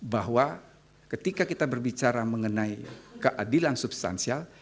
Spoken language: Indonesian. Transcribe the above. bahwa ketika kita berbicara mengenai keadilan substansial